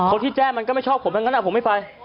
คนที่แจ้งมันก็ไม่ชอบผมทั้งนั้นผมไม่ไป